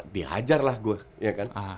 diajar lah gue